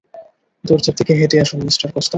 দরজার দিকে হেঁটে আসুন, মিঃ কস্তা?